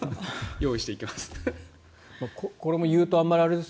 用意して行きます。